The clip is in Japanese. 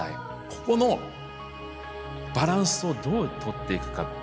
ここのバランスをどうとっていくか。